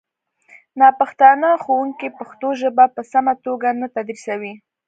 ناپښتانه ښوونکي پښتو ژبه په سمه توګه نه تدریسوي